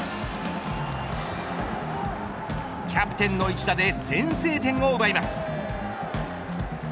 キャプテンの一打で先制点を奪います。